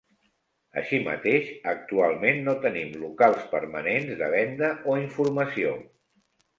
Així mateix, actualment no tenim locals permanents de venda o informació.